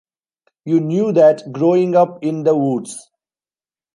You knew that, growing up in the woods.